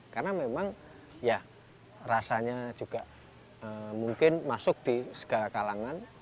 karena memang ya rasanya juga mungkin masuk di segala kalangan